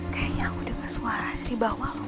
kayanya aku denger suara dari bawah lupa